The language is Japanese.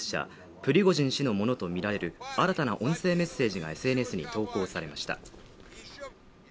プリゴジン氏のものとみられる新たな音声メッセージがＳＮＳに投稿されました